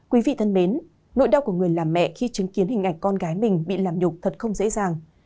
quý vị thân mến nỗi đau của người làm mẹ khi chứng kiến hình ảnh con gái mình bị làm nhục thật không dễ dàng